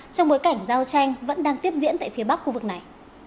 trong bối cảnh giao tranh vẫn đang tiếp diễn tại phía bắc khu vực này